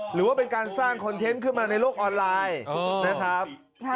หรือว่าเป็นการสร้างคอนเทนต์ขึ้นมาในโลกออนไลน์นะครับ